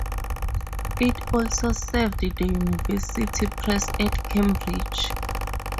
It also served the University Press at Cambridge.